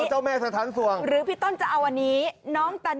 ตำปูปลาร้า